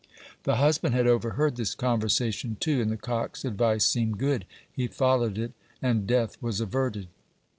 The husband had overheard this conversation, too, and the cock's advice seemed good. He followed it, and death was averted.